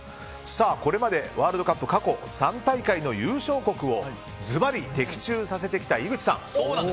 これまでワールドカップ過去３大会の優勝国をずばり的中させてきた井口さん。